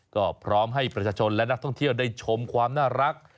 ก็พร้อมให้ประชาชนและนักท่องเที่ยวได้ชมความน่ารัก